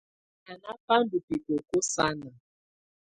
Banà bà ndù bikoko sanà.